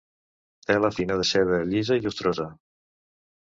Tela fina de seda, llisa i llustrosa.